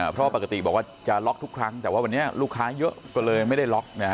เพราะปกติบอกว่าจะล็อกทุกครั้งแต่ว่าวันนี้ลูกค้าเยอะก็เลยไม่ได้ล็อกนะฮะ